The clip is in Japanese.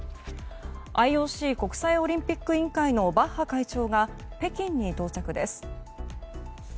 ＩＯＣ・国際オリンピック委員会のバッハ会長が北京に到着です。